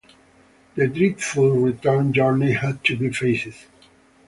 The dreadful return journey had to be faced.